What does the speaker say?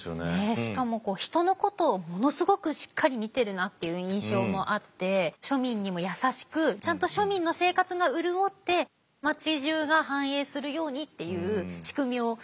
しかも人のことをものすごくしっかり見てるなっていう印象もあって庶民にも優しくちゃんと庶民の生活が潤って町じゅうが繁栄するようにっていう仕組みを考えられたんでしょうね。